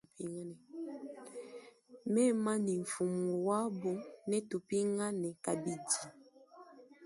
Mema ni mfumu wabu netupingane kabidi.